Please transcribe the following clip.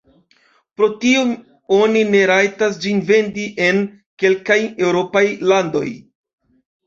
Pro tio oni ne rajtas ĝin vendi en kelkaj eŭropaj landoj.